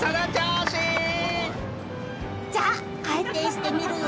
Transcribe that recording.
じゃあ回転してみるよ。